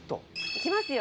いきますよ！